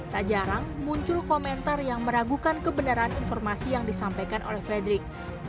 tak jarang muncul komentar yang meragukan kebenaran informasi yang disampaikan oleh fredrik